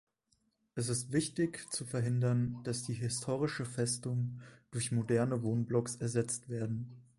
Es ist wichtig, zu verhindern, dass die historische Festung durch moderne Wohnblocks ersetzt werden.